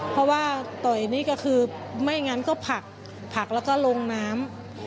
เพราะว่าต่อยนี่ก็คือไม่งั้นก็ผักแล้วก็ลงน้ำ